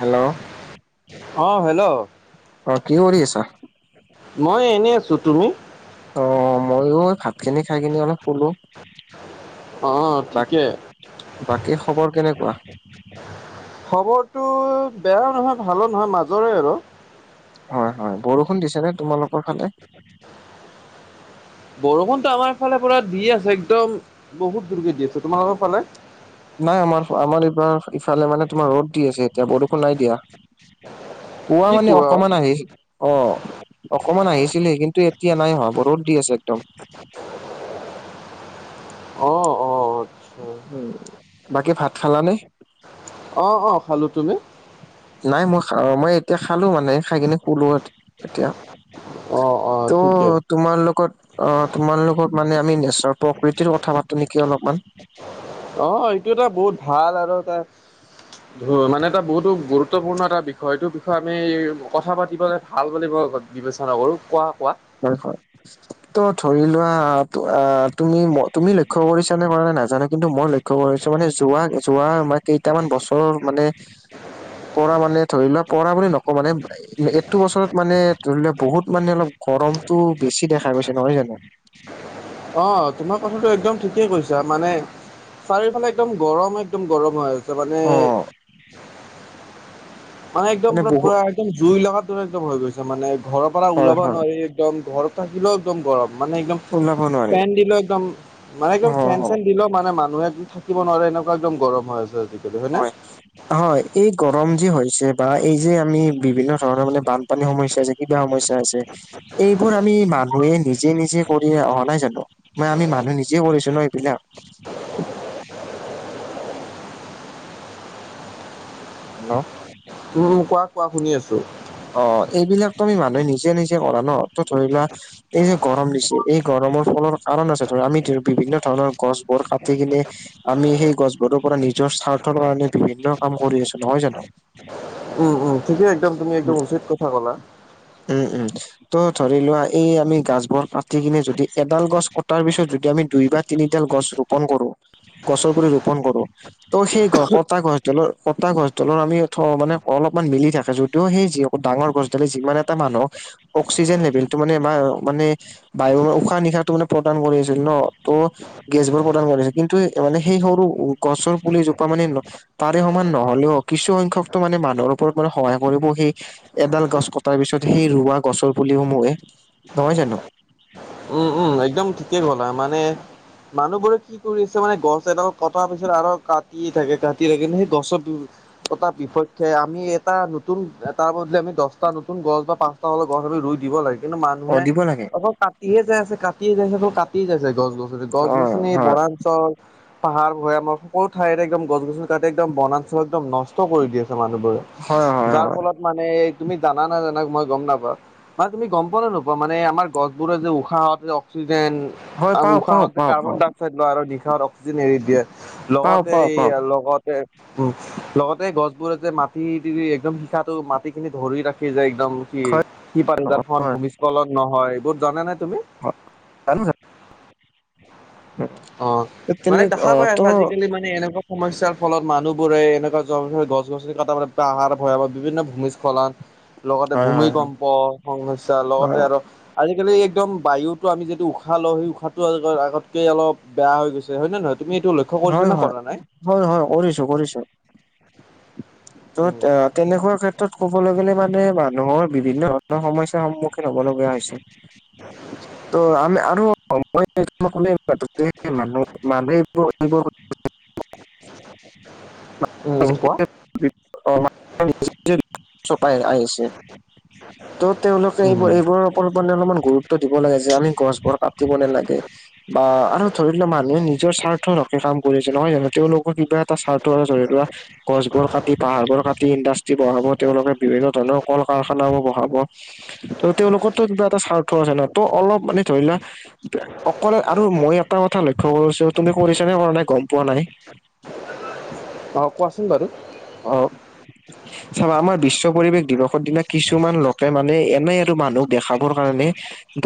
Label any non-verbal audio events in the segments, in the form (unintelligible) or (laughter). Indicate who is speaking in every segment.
Speaker 1: Hello.
Speaker 2: অ' hello.
Speaker 1: অ' কি কৰি আছা?
Speaker 2: মই এনেই আছোঁ তুমি?
Speaker 1: অ' মইও ভাত খিনি খাই কিনে অলপ শুলো।
Speaker 2: অ'
Speaker 1: বা
Speaker 2: ঠিকে।
Speaker 1: বাকী খবৰ কেনেকুৱা
Speaker 2: খবৰটো বেয়া নহয় ভালো নহয় মাজৰে আৰু।
Speaker 1: হয় হয়, বৰষুণ দিছে নে তোমালোকৰ ফালে?
Speaker 2: বৰষুণতো আমাৰ ফালে পৰা দি আছে একদম বহুত দূৰকে দি আছে, তোমালোকৰ ফালে?
Speaker 1: নাই আমাৰ আমাৰ এইবাৰ ইফালে মানে তোমাৰ ৰ'দ দি আছে, এতিয়া বৰষুণ নাই দিয়া। পুৱা
Speaker 2: কি
Speaker 1: মানে
Speaker 2: কোৱা
Speaker 1: অকমান আহিছে। অ' অকমান আহিছিলহে কিন্তু এতিয়া নাই অহা পদ দি আছে একদম।
Speaker 2: অ', অ', অ'।
Speaker 1: উম, বাকী ভাত খালানে?
Speaker 2: অ', অ', খালো তুমি?
Speaker 1: নাই মই মই এতিয়া খালো মানে খাই কিনে শুলো এতিয়া।
Speaker 2: অঁ অঁ
Speaker 1: ত'
Speaker 2: ঠিকে
Speaker 1: তোমাৰ লগত অ' তোমালোকৰ মানে আমি নেচাৰ প্ৰকৃতিৰ কথা পাতো নেকি অলপমান।
Speaker 2: অ' এইটো এটা বহুত ভাল আৰু এটা ধৰা মানে এটা বহুতো গুৰুত্বপূৰ্ণ এটা বিষয়টো আমি কথা পাতিবলৈ ভাল বুলি মই বিবেচনা কৰোঁ কোৱা কোৱা।
Speaker 1: হয় হয় ত' ধৰি লোৱা আ তুমি ম তুমি লক্ষ্য কৰিছা নে কৰা নে নাজানো কিন্তু মই লক্ষ্য কৰিছোঁ মানে যোৱা যোৱা মানে কেইটামান বছৰ অ' মানে পৰা মানে ধৰি লোৱা পৰা বুলি নকওঁ মানে এইটো বছৰত মানে ধৰি লোৱা বহুত মানে অলপ গৰমতটো বেছি দেখা গৈছে নহয় জানো?
Speaker 2: অ' তোমাৰ কথাটো একদম ঠিকেই কৈছা মানে চাৰিওফালে একদম গৰম একদম গৰম হৈ আছ ছে মনে
Speaker 1: অ
Speaker 2: মানে একদম পৰা পৰা একদম জুই লগাটোৰে একদম হৈ গৈছে মানে ঘৰৰ পৰা
Speaker 1: হয়
Speaker 2: ওলাব
Speaker 1: হয়
Speaker 2: নোৱাৰি একদম ঘৰ থাকিলেও একদম গৰম মানে একদম
Speaker 1: ওলাব নোৱাৰি
Speaker 2: ফেন দিলেও একদম মানে
Speaker 1: অ
Speaker 2: একদম ফেন চেন দিলে মানে মানুহে থাকিব নোৱাৰে এনেকুৱা একদম গৰম হৈ আছে আজি।
Speaker 1: হয়, হয় এই গৰম যে হৈছে বা এই যে আমি বিভিন্ন ধৰণ মানে বানপানীৰ সমস্যা হৈছে কিবা সমস্যা হৈছে। এইবোৰ আমি মানুহে নিজে নিজে কৰি অহা নাই জানো? মাই আমি মানুহ নিজে কৰিছো ন এইবিলাক। হেল্ল'।
Speaker 2: উম কোৱা কোৱা শুনি আছোঁ।
Speaker 1: অ এইবিলাকতো আমি মানুহে নিজে নিজে কৰা ন, ত ধৰি লোৱা। এই যে গৰম দিছে, এই গৰমৰ ফলৰ কাৰণ আছে ধৰা, আমি বিভিন্ন ধৰণৰ গছবোৰ কাটি কিনে আমি সেই গছবোৰৰ পৰা নিজৰ স্বাৰ্থৰ কাৰণে বিভিন্ন কাম কৰি আছো নহয় জানো?
Speaker 2: উম' উম' ঠিকেই একদম তুমি একদম উচিত কথা কলা।
Speaker 1: উম' উম '। ত', ধৰি লোৱা, এই আমি গাছবোৰ কাতি কিনে যদি এডাল গছ কটাৰ পিছত, যদি আমি দুইবাৰ তিনিডাল গছ ৰোপন কৰোঁ। গছৰ পুলি ৰোপন কৰোঁ। ত' সেই গ' কটা গছডালৰ, কটা গছডালৰ আমি ঠ, মানে অলপমান মিলি থাকে। যদিও সেই যি হকত ডাঙৰ গছডালে যিমান এটা মানুহক অক্সিজেন লেভেলটো মানে আমাৰ, অ' মানে, বায়ু, উশাহ-নিশাত টো মানে প্ৰদান কৰি আছিল ন। ত' গেছবোৰ প্ৰদান কৰিছে, কিন্তু মানে সেই সৰু গছৰ পুলিজোপা মানে তাৰে সমান নহ'লেও, কিছুসংখ্যকটো মানে মানুহৰ ওপৰত মানে সহায় কৰিব সেই এডাল গছ কটাৰ পিছত সেই ৰোৱা গছৰ পুলিসমূহে, নহয় জানো?
Speaker 2: উম উম, একদম ঠিকে ক'লা। মানে মানুহবোৰে কি কৰি আছে মানে, গছ এডাল কটাৰ পিছত আৰু কাটিয়ে থাকে কাটিয়ে থাকে, সেই গছত কটা বিপক্ষে আমি এটা নতুন, তাৰ বদলি আমি দহটা নতুন গছ বা পাঁচ টা হ'লেও গছ আমি ৰুই দিব লাগে। কিন্তু
Speaker 1: অ
Speaker 2: মানুহে
Speaker 1: দিব লাগে
Speaker 2: অকল কাটিয়ে যাই আছে, কাটিয়ে যাই আছে, অকল কাটিয়ে যাই আছে, গছবোৰ।
Speaker 1: অ
Speaker 2: গছ-গছনি
Speaker 1: হয়
Speaker 2: বনাঞ্চল। পাহাৰ ভৈয়ামক সকলো ঠাইৰে একদম গছ-গছনি কাটি, একদম বনাঞ্চল একদম নষ্ট কৰি দি আছে মানুহবোৰে।
Speaker 1: হয়, হয়।
Speaker 2: তাৰ ফলত মানে তুমি জানা নে জানা মই গম নাপাওঁ। ‌ মানে তুমি গম পোৱা নে নোপোৱা মানে আমাৰ গছ বোৰত যে উশাহত যে অক্সিজেন,
Speaker 1: হয়
Speaker 2: আৰু
Speaker 1: হয় পাওঁ পাওঁ
Speaker 2: উশাহত যে
Speaker 1: পাওঁ
Speaker 2: কাৰ্বন ডাইঅক্স আৰু নিশাহত অক্সিজেন এৰি দিয়ে।
Speaker 1: পাওঁ পাওঁ
Speaker 2: লগতে
Speaker 1: পাওঁ
Speaker 2: এই
Speaker 1: পাওঁ
Speaker 2: লগত তে, উম, লগতে এ গছবোৰত যে মাটি দি দি, একদম শিপাটো মাটি খিনি ধৰি ৰাখে যে। একদম সি,
Speaker 1: হয়
Speaker 2: সি পাৰে
Speaker 1: জানো
Speaker 2: যাৰ ফলত
Speaker 1: হয়
Speaker 2: ভূমিস্খলন নহয়। এইবোৰ জানা নে তুমি?
Speaker 1: (unintelligible)
Speaker 2: অ, মানে
Speaker 1: তেনে
Speaker 2: দেখা
Speaker 1: অ
Speaker 2: পাই
Speaker 1: ত
Speaker 2: আছা আজিকালি মান নে এনেকুৱা সমস্যাৰ ফলত মানুহবোৰে এনেকুৱা য', গছ-গছনি কাটা পৰা পাহাৰ ভৈয়ামত বিভিন্ন ভূমিস্খলন
Speaker 1: (inaudible)
Speaker 2: লগতে
Speaker 1: হয়
Speaker 2: ভূমিকম্প সমস্যা,
Speaker 1: হয়
Speaker 2: লগতে আৰু আজিকালি একদম বায়ুটো আমি যদি উশাহ লওঁ, সেই উশাহটো আগ, আগতকে অলপ বেয়া হৈ গৈছে। হয় নে নহয়? তুমি এইটো ল
Speaker 1: হয়, হয়। হয়, হয়, কৰিছোঁ, কৰিছোঁ। ত
Speaker 2: উম,
Speaker 1: 'আ তেনেকুৱা ক্ষেত্ৰত ক'বলে গ'লে মানে, মানুহৰ বিভিন্ন ধৰণৰ সমস্যা সমুহ ল'ব লগিয়া হৈছে। ত' আমি আৰু (unintelligible)
Speaker 2: উম 'উম 'কোৱা।
Speaker 1: ' (unintelligible) চপাই আহিছে। ত', তেওঁলোকে এইবোৰ,
Speaker 2: উম,
Speaker 1: এইবোৰ মানে অলপমান গুৰুত্ব দিব লাগে যে আমি গছবোৰ কাটিব নেলাগে। বা আৰু ধৰি লোৱা মানুহে নিজৰ স্বাৰ্থৰ ৰাখি কাম কৰি আছে, নহয় জানোঁ? তেওঁলোকৰ কিবা এটা স্বাৰ্থ আছে, ধৰি লোৱা গছবোৰ কাটি, পাহাৰ বোৰ কাটি, ইণ্ডাষ্ট্ৰী বহাব। তেওঁলোকে বিভিন্ন ধৰণৰ কল-কাৰখানাও বহাব। ত', তেওঁলোকৰতো কিবা এটা স্বাৰ্থ আছে ন। ত', অলপ মানে ধৰি লোৱা (unintelligible) অকলে আৰু মই এটা কথা লক্ষ্য কৰিছোঁ, তুমি কৰিছানে কৰা নাই গম পোৱা নাই।
Speaker 2: অ', কোৱাচোন বাৰু।
Speaker 1: অ', চাবা মই বিশ্ব পৰিবেশ দিৱসৰ দিনা কিছুমান লক কে মানে এনে আৰু মানুহক দেখাবৰ কাৰণে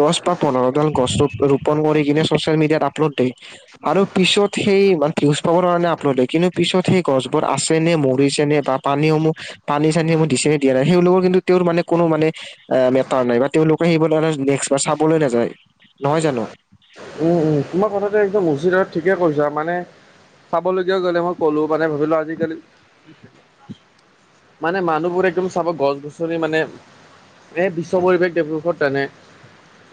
Speaker 1: দচ বা পোন্ধৰডাল গছ ৰুপ, ৰোপন কৰি কিনে ছচিয়েল মিডিয়াত আপলড দে। আৰু পিছত সেই মান, ভিউজ পাবৰ কাৰণে আপলড দে, কিন্তু পিছত সেই গছবোৰ আছে নে মৰ যেনে বা পানী সমুহ, পানী চানী (unintelligible) দিছে নে দিয়া নাই, সেইলোকৰ কিন্তু তেওঁৰ মানে কোনো মানে আ তাৰ নাই বা তেওঁলোকে (unintelligible) নেক্স বা চাবলৈ নেযায়, নহয় জানোঁ?
Speaker 2: উম, উম, তোমাৰ কথাটো একদম উচিত হয় ঠিকে কৈছা মানে চাবলগীয়াও (unintelligible) ক'লো, মানে ভাবি লোৱা আজিকালি মানে মানুহবোৰে একদম চাবা গছ গছনি মানে এ, বিশ্ব পৰিৱেশ (unintelligible) তেনে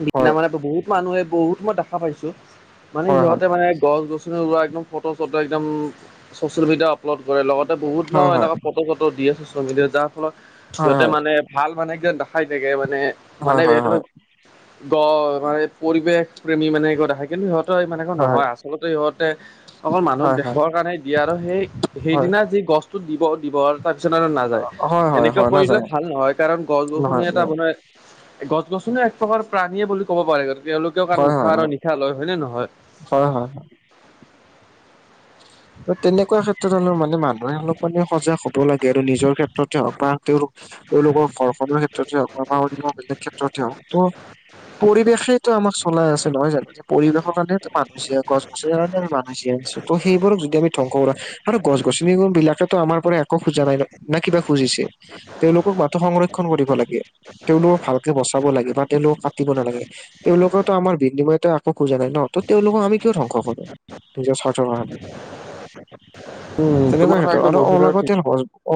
Speaker 2: দিনা
Speaker 1: হয়
Speaker 2: মানে বহুত মানুহে বহুত মই দেখা পাইছোঁ, মানে
Speaker 1: হয় হয়
Speaker 2: সিহঁতে মানে গছ গছ (unintelligible) ফট' চট' একদম চ'চিয়েল মিডিয়াত আপলড কৰে, লগতে বহুত ন'
Speaker 1: হয় হয়
Speaker 2: এনেকা (unintelligible) ট চত' দিয়ে ছ'চিয়েল মিডিয়াত যাৰ ফলত সিহঁতে
Speaker 1: হয়
Speaker 2: মানে ভাল মানে (unintelligible) দেখাই থাকে মানে মানে
Speaker 1: হয় হয় হয়
Speaker 2: (unintelligible)
Speaker 1: হয়
Speaker 2: গ, মানে পৰিৱেশ প্ৰেমী মানে (unintelligible) দেখাই কিন্তু সিহঁত (unintelligible) নহয় আচলতে ইহঁতে অকল মানুহক
Speaker 1: হয় হয় হয়
Speaker 2: দেখাবৰ কাৰণে দিয়ে আৰু সেই সেইদিনা যি গছতো দিব দিবৰ তাৰ পিছত আৰু নাযায়,
Speaker 1: হয় হয় হয়
Speaker 2: এনেকুৱা
Speaker 1: হয়
Speaker 2: কৰিলে
Speaker 1: নাযায়
Speaker 2: ভাল নহয় কাৰণ গছ গছনি
Speaker 1: নহয়
Speaker 2: এটা আপোনাৰ এ, গছ গছনি এক প্ৰকাৰৰ প্ৰাণীয়ে বুলি ক'ব পাৰে, তেওঁলোকেও কাৰণ
Speaker 1: হয়
Speaker 2: উশাহ
Speaker 1: হয় হয়
Speaker 2: আৰু নিশা লয় হয়নে নহয়?
Speaker 1: হয়, হয়। তেনেকুৱা ক্ষেত্ৰত হ'লে মানে মান মই অলপ মানে সজাগ হ'ব লাগে আৰু নিজৰ ক্ষেত্ৰতে হওক বা তেওঁৰ তেওঁলোকৰ ঘৰখনৰ ক্ষেত্ৰতে হওক বা (unintelligible) বেলেগ ক্ষেত্ৰতে হওক, ত পৰিৱেশেতো আমাক চলাই আছে নহয় জানো? পৰিৱেশৰ কাৰণেতো মানুহ জীয়াই, গছ গছনিৰ কাৰণে আমি মানুহ জীয়াই আছো, ত' সেইবোৰক য ধ্বংস কৰা আৰু গছ গছনিকো ত' আমাৰ পৰা একো খোজা নাই ন' না কিবা খুজিছে, তেওঁলোকক মাথো সংৰক্ষন কৰিব লাগে। তেওঁলোকক ভালকে বচাব লাগে বা তেওঁলোকক কাটিব নালাগে, তেওঁলোকে ত' আমাৰ বিনিময়তা খোজা নাই ন' ত' তেওঁলোকক আমি কিয় ধ্বংস কৰো, নিজৰ স্বাৰ্থৰ কাৰণে।
Speaker 2: উম, তোমাৰ
Speaker 1: তেনেকুৱা
Speaker 2: কথা
Speaker 1: ক্ষেত্ৰত
Speaker 2: একদম উচিত আৰু ঠিক।
Speaker 1: অলাগতিয়াল গছ অ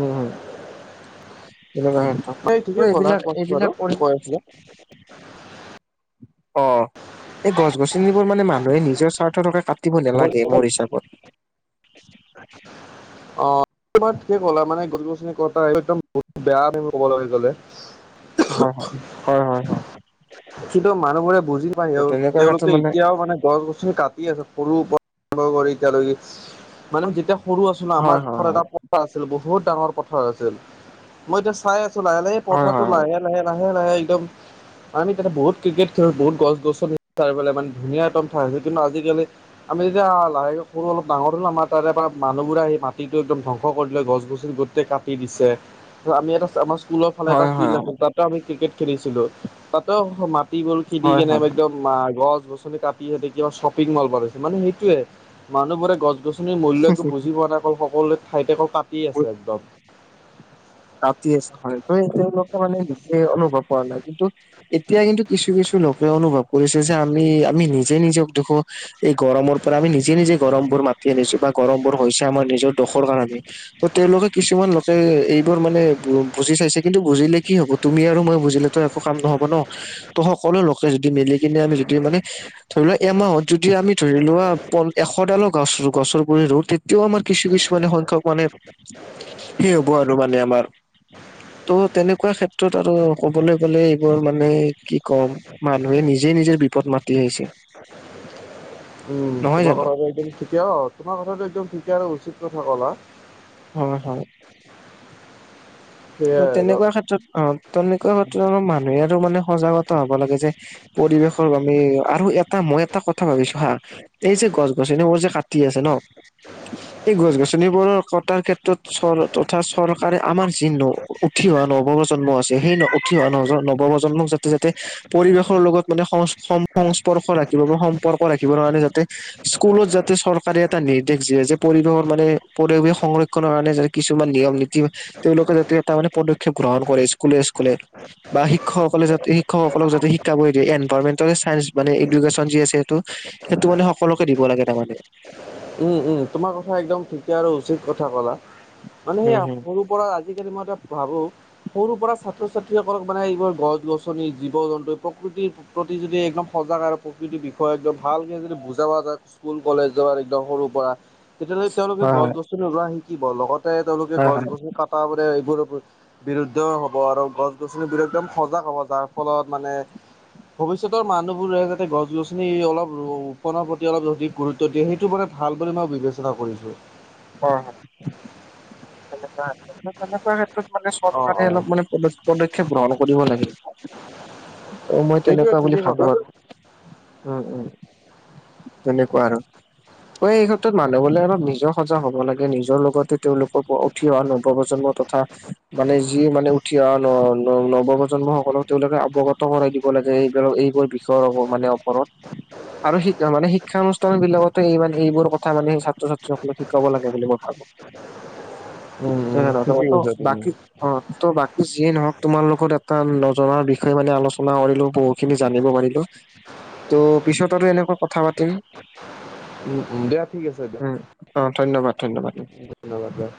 Speaker 1: উম, হম, তেনেকুৱা ক্ষেত্ৰ,
Speaker 2: এই ঠিকে
Speaker 1: মই
Speaker 2: ক'লা
Speaker 1: এইবিলাক
Speaker 2: কোৱাচোন বাৰু
Speaker 1: এইবিলাক পঢ়ি
Speaker 2: কৈ আছিলা
Speaker 1: অ', এই গছ গছনিবোৰ মানে মানুহে নিজৰ স্বাৰ্থ (unintelligible) কাট টিব নেলাগে মোৰ হিচাপত।
Speaker 2: অ'। (unintelligible) ঠিকে ক'লা মানে গছ গছনি কটা একদম বহুত বেয়া (unintelligible) কবলৈ গ'লে।
Speaker 1: হয়, হয়, হয়, হয়, হয়।
Speaker 2: কিন্তু মানুহবোৰে বুজি (unintelligible)
Speaker 1: ত' তেনেকুৱা ক্ষেত্ৰত
Speaker 2: তেওঁলোকে এতিয়াও মানে গছ গছনি কাট টি আছে সৰু প, (unintelligible) মানে যেতিয়া সৰু আছোনা
Speaker 1: হয়,
Speaker 2: আমাৰ
Speaker 1: হয়,
Speaker 2: ধৰ এটা প পা আছিল বহুত ডাঙৰ পথাৰ আছিল, মই এতিয়া চাই আছো লাহে লাহে এই
Speaker 1: হয়, হয়,
Speaker 2: পথাৰটো
Speaker 1: হয়,
Speaker 2: লাহে লাহে লাহে লাহে লাহে একদম আমি তাতে বহুত ক্ৰিকেট খেলো, বহুত গছ গছনি চাৰিও পালে মান ধুনীয়া এতম ঠাই আছিল, কিন্তু আজিকালি আমি যেতিয়া লাহেকে সৰু অলপ ডাঙৰ হ'লো আমাৰ তাৰে পা মানুহবোৰে আহি মাটিটো একদম ধংস কৰি দিলে, গছ গছনি গোট তে কাটি দিছে, ত আমি এটা আমাৰ স্কুলৰ ফালে এটা
Speaker 1: হয়, হয়,
Speaker 2: ফিল্ড
Speaker 1: হয়,
Speaker 2: আছিল তাতেও আমি ক্ৰিকেট খেলিছিলোঁ। তহ মাটিবোৰ কিনি
Speaker 1: হয়, হয়, হয়,
Speaker 2: কেনে (inaudible)
Speaker 1: হয়
Speaker 2: একদম মা গছ গছনি কাটি তাতে কিবা শ্বপিং মল বনাইছে মানে সেইটোয়ে মানুহ বোৰে গ গছনিৰ মূল্য একো বুজি পোৱা নাই অকল সকলোৱে ঠাইতে অকল কাটিয়েই আছে একদম।
Speaker 1: কাতি আছে হয় ত তেওঁলোকে মানে নিচেই অনুভৱ কৰা নাই কিন্তু এতিয়া কিন্তু কিছু কিছু লোকে অনুভৱ কৰিছে যে আমি আমি নিজে নিজক দেখ এই গৰমৰ পৰা আমি নিজে নিজে গৰম বোৰ মাতি আনিছো বা গৰম বোৰ হৈছে আমাৰ নিজৰ দষৰ কাৰণে। ত তেওঁলোকে কিছুমান লোকে এই বোৰ মানে বুজি চাইছে কিন্তু বুজিলে কি হব তুমি আৰু মই বুজিলে তো একো কাম নহব ন। ত' সকলো লোকে যদি মিলি কিনে আমি যদি মানে ধৰি লোৱা এমাহত যদিও আমি ধৰি লোৱা প এশডালো গছ গছৰ পুলি ৰুও তে তিও আমাৰ কিছু কিছু মানে সংখ্যক মানে।
Speaker 2: (unintelligible)
Speaker 1: সেই হ'ব আৰু মানে আমাৰ। ত' তেনেকুৱা ক্ষেত্ৰত আৰু ক'বলে গ'লে এইবোৰ মানে কি ক'ম। মানুহে নিজেই নিজৰ বিপদ মাতি আহিছে।
Speaker 2: উম
Speaker 1: নহয়
Speaker 2: তোমাৰ
Speaker 1: জানো?
Speaker 2: কথাটো একদম ঠিকে আও তোমাৰ কথাটো একদম ঠিকে আৰু উচিত কথা কলা।
Speaker 1: হয় হয়।
Speaker 2: (unintelligible)
Speaker 1: তেনেকুৱা ক্ষেত্ৰত অ তনেকুৱা ক্ষেত্ৰত মানুহে আৰু মানে সজাগতা হ'ব লাগে যে পৰিৱেশৰ আমি আৰু এটা মই এটা কথা ভাবিছো হা এই যে গছ গছনি বোৰ যে কাটি আছে ন এই গছ গছনিবোৰ কটাৰ ক্ষেত্ৰত চৰ তথা চৰকাৰে আমাৰ চিহ্ন উঠি অহা নৱপ্ৰজন্ম আছে সেই ন উঠি অহা ন নৱপ্ৰজন্মক যাতে যাতে পৰিৱেশৰ লগত মানে সং সংস্পৰ্শ ৰাখিব বা সম্পৰ্ক ৰাখিবৰ কাৰণে যাতে স্কুলত যাতে চৰকাৰে এটা নিৰ্দেশ যিয়ে যে পৰিৱেশৰ মানে পৰিৱেশ সংৰ ক্ষণৰ কাৰণে যাতে কিছুমান নিয়ম নীতি তেওঁলোকে যাতে এটা মানে পদক্ষেপ গ্ৰহণ কৰে স্কুলে স্কুলে। বা শিক্ষকসকলে যাতে শিক্ষকসকলক যাতে শিকাবই দিয়ে এনভাৰমেট চাইন্স মানে এডোকেশ্যন যি আছে সেইটো সেইটো মানে সকলোকে দিব লাগে তামানে।
Speaker 2: উম উম তোমাৰ কথা একদম ঠিকে আৰু উচিত কথা ক'লা মানে সেই
Speaker 1: উম,
Speaker 2: হা
Speaker 1: হুম।
Speaker 2: পুৰো। পৰা আজিকালি মই এটা ভাবো। সৰুৰ পৰা ছাত্ৰ ছাত্ৰীসকলক মানে এইবোৰ গছ গছনি জীৱ জন্তু প্ৰকৃতি প্ৰতি যদি একদম সজাগ আৰু প্ৰকৃতিৰ বিষয়ে একদম ভালকে যদি বুজাবা যায় স্কুল কলেজ ৰ ডসৰুৰ পৰা তেতিয়াহ তেওঁলোকে
Speaker 1: হয়
Speaker 2: গছ
Speaker 1: হয়
Speaker 2: গছনি ৰোৱা শিকিব লগতে তেওঁলোকে
Speaker 1: হয় হয়
Speaker 2: গছ গছ কটা পৰে এইবোৰ। বিৰুদ্ধ হ'ব আৰু গছ গছনিবোৰ একদম সজাগ হ'ব যাৰ ফলত মানে। ভৱিষ্যতৰ মানুহবোৰে যাতে গছ গছনি অলপ ৰূপণৰ প্ৰতি অলপ যদি গুৰুত্ব দিয়ে সেই টো মানে ভাল বুলি মই বিবেচনা কৰিছোঁ।
Speaker 1: (unintelligible) (inaudible) তেনেকুৱা ক্ষেত্ৰত তেনেকুৱা ক্ষেত্ৰত মানে
Speaker 2: অ অ
Speaker 1: চৰকাৰে অলপ মানে (inaudible) পদক্ষেপ গ্ৰহণ কৰিব লাগে ত মই
Speaker 2: সেইটোৱে
Speaker 1: তেনেকুৱা বুলি
Speaker 2: ঠিকেই ক'লা
Speaker 1: ভাবো আ উম উম তেনেকুৱা আৰু। অ এই ক্ষেত্ৰত মানুহ বোৰে অলপ নিজৰ সজাগ হ'ব লাগে নিজৰ লগতো তেওঁলো অ উঠি অহা নৱ প্ৰ্জন্ম তথা মানে যি মানে উঠি অ ন ন নৱপ্ৰজন্ম সকলক তেওঁলোকে অৱগত কৰাই দি ব লাগে এইবাৰ এইবোৰ বিষয়ৰ মানে অপৰত। আৰু শিক মানে শিক্ষানুষ্ঠান বিলাকতে এই মানে এইবোৰ কথা মানে ছাত্ৰ-ছাত্ৰীসকলক শিকাব লাগে বুলি মই ভাবো। ত‌ই জান
Speaker 2: ঠিকেই কৈছা
Speaker 1: (unintelligible)
Speaker 2: তুমি।
Speaker 1: বাকী অঁ! ত' বাকী যিয়েই নহওক তোমাৰ লগত এটা নজনাৰ বিষয়ে মানে আলোচনা কৰিলো বহুত খিনি জানিব পাৰিলো। ত' পিছত আৰু এনেকুৱা কথা পাতিম।
Speaker 2: উম-উম! দিয়া ঠিক আছে দিয়া।
Speaker 1: উম। অঁ! ধন্যবাদ-ধন্যবাদ।
Speaker 2: ধন্যবাদ দিয়া।